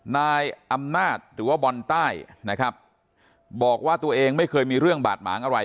นายอำนาจหรือว่าบอลใต้นะครับบอกว่าตัวเองไม่เคยมีเรื่องบาดหมางอะไร